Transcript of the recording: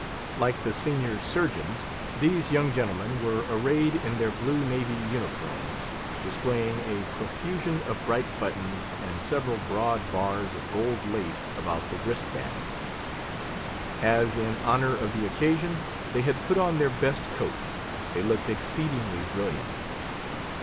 Like the senior surgeons, these young gentlemen were arrayed in their blue navy uniforms, displaying a profusion of bright buttons, and several broad bars of gold lace about the wristbands. As in honour of the occasion, they had put on their best coats; they looked exceedingly brilliant.